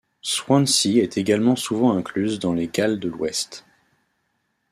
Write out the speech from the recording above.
Swansea est également souvent incluse dans les Galles de l’Ouest.